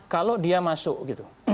kalau dia masuk gitu